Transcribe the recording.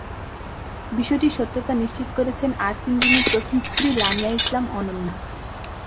বিষয়টির সত্যতা নিশ্চিত করেছেন আরফিন রুমির প্রথম স্ত্রী লামিয়া ইসলাম অনন্যা।